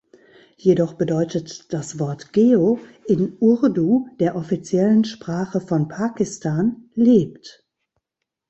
Jedoch bedeutet das Wort „Geo“ in Urdu, der offiziellen Sprache von Pakistan, "Lebt!